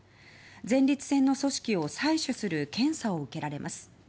前立腺の組織を採取する検査を受けられます。